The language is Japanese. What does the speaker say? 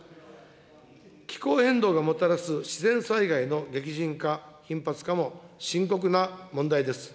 気候変動がもたらす自然災害の激甚化、頻発化も深刻な問題です。